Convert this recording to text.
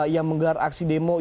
yang menggelar aksi demo